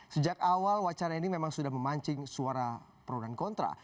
sejak awal wacana ini memang sudah memancing suara pro dan kontra